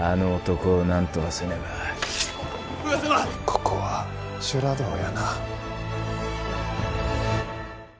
ここは修羅道やな。